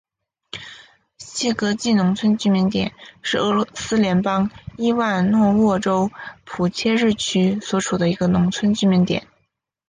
谢戈季农村居民点是俄罗斯联邦伊万诺沃州普切日区所属的一个农村居民点。